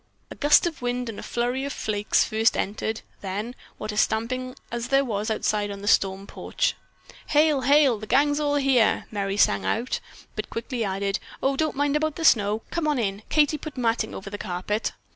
A gust of wind and a flurry of flakes first entered, then, what a stamping as there was outside on the storm porch. "Hail! Hail! The gang's all here!" Merry sang out, but quickly added: "Oh, don't mind about the snow. Come on in. Katie put matting over the carpet."